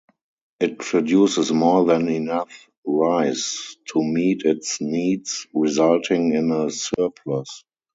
It produces more than enough rice to meet its needs resulting in a surplus.